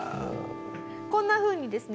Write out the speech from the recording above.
こんなふうにですね